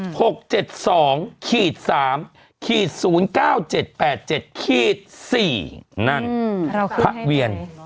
พระเวียน